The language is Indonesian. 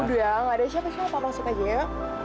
udah gak ada siapa siapa masuk aja ya